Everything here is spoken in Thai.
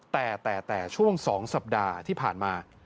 แต่แต่ช่วง๒สัปดาห์ที่ผ่านมา